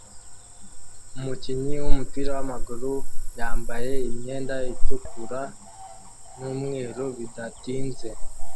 Umukinnyi wumupira wamaguru yambaye imyenda itukura numweru Bidatinze